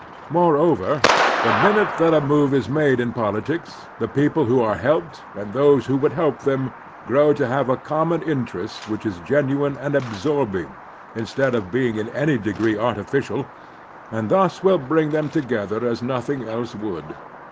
Moreover, the minute that a move is made in politics, the people who are helped and those who would help them grow to have a common interest which is genuine and absorbing instead of being in any degree artificial, and this will bring them together as nothing else would.